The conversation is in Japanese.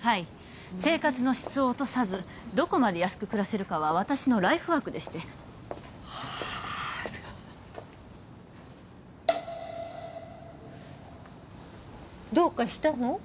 はい生活の質を落とさずどこまで安く暮らせるかは私のライフワークでしてはあそうどうかしたの？